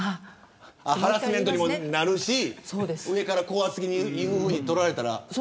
ハラスメントにもなるし上から高圧的に言うふうに捉えられたら。